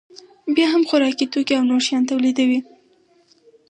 بیا هم خوراکي توکي او نور شیان تولیدوي